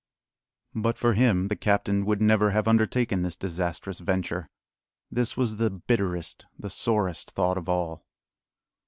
But for him the captain would never have undertaken this disastrous venture. This was the bitterest, the sorest thought of all.